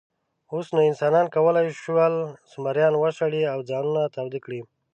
اوس نو انسانانو کولی شول، زمریان وشړي او ځانونه تاوده کړي.